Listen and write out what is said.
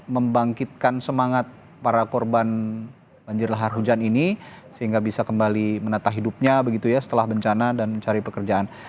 membangkitkan semangat para korban banjir lahar hujan ini sehingga bisa kembali menata hidupnya begitu ya setelah bencana dan mencari pekerjaan